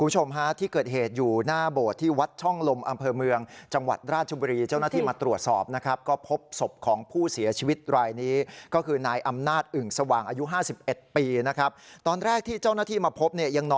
จังหวัดราชบุรีเจ้าหน้าที่มาตรวจสอบนะครับ